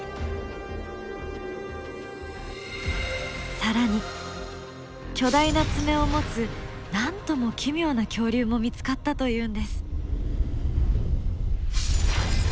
更に巨大な爪を持つなんとも奇妙な恐竜も見つかったというんです！